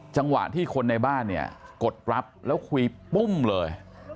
จังหวะที่คนในบ้านเนี่ยกดรับแล้วคุยปุ้มเลย